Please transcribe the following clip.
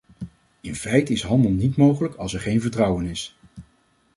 In feite is handel niet mogelijk als er geen vertrouwen is.